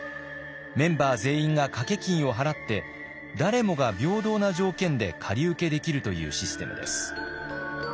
メンバー全員が掛金を払って誰もが平等な条件で借り受けできるというシステムです。